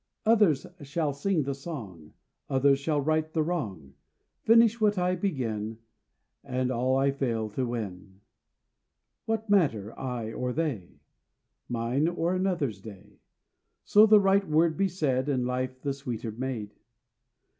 Others shall sing the song, Others shall right the wrong, Finish what I begin, And all I fail of win. What matter, I or they? Mine or another's day, So the right word be said And life the sweeter made?